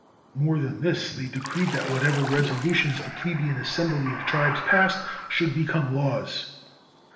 More than this, they decreed that whatever resolutions the plebeian assembly of tribes passed should become laws.